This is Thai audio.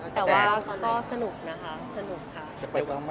แต่ว่าก็สนุกนะคะสนุกค่ะ